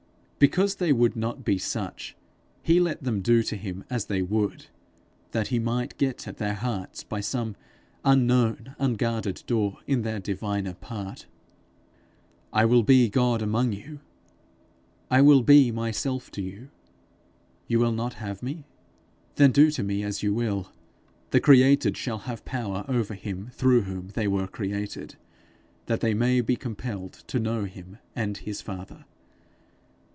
Because they would not be such, he let them do to him as they would, that he might get at their hearts by some unknown unguarded door in their diviner part. 'I will be God among you; I will be myself to you. You will not have me? Then do to me as you will. The created shall have power over him through whom they were created, that they may be compelled to know him and his father.